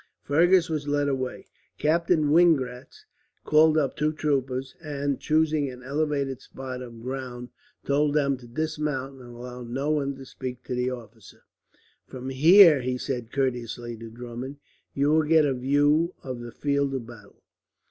Fergus was led away. Captain Wingratz called up two troopers and, choosing an elevated spot of ground, told them to dismount and allow no one to speak to the officer. "From here," he said courteously to Drummond, "you will get a view of the field of battle."